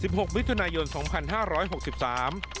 หกมิถุนายนสองพันห้าร้อยหกสิบสาม